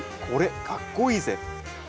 「これ、かっこイイぜ！」。